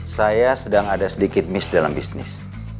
saya sedang ada sedikit miss dalam bisnis